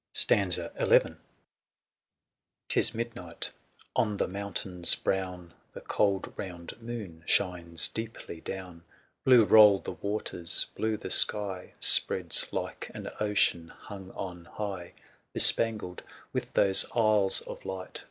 XL Tis midnight : on the mountain's brown The cold, round moon shines deeply down ;''' Blue roll the waters, blue the sky Spreads like an ocean hung on high, 200 Bespangled with those isles of light.